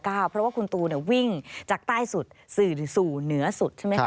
เพราะว่าคุณตูวิ่งจากใต้สุดสู่เหนือสุดใช่ไหมคะ